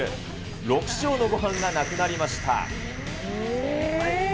６升のごはんがなくなりました。